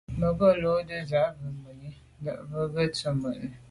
Mə́ ngə́ lódə́ bə̄ zə̄ bū rə̂ mùní ndɛ̂mbə́ bú gə̀ rə̌ tsə̀mô' nù.